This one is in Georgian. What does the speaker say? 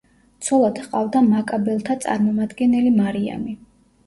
ცოლად ჰყავდა მაკაბელთა წარმომადგენელი მარიამი.